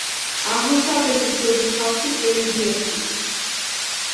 აღმოსავლეთის ზოგი ხალხის რელიგიაში.